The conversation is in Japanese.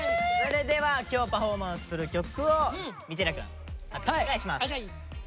それでは今日パフォーマンスする曲を道枝くん発表お願いします。